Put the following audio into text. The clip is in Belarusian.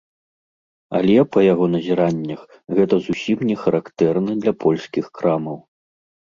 Але, па яго назіраннях, гэта зусім не характэрна для польскіх крамаў.